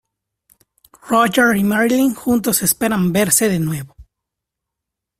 Roger y Marilyn juntos esperan verse de nuevo.